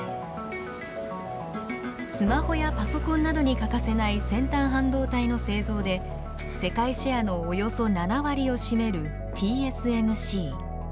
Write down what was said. スマホやパソコンなどに欠かせない先端半導体の製造で世界シェアのおよそ７割を占めるＴＳＭＣ。